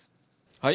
はい。